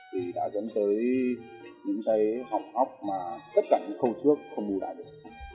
thì đã dẫn tới những cái hỏng óc mà tất cả những khâu trước không bù đại được